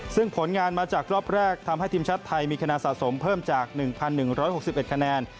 ซึ่งผลงานมาจากรอบแรกทำให้ทีมชาติไทยมีคะแนนสะสมเพิ่มจาก๑๑๖๑คะแนน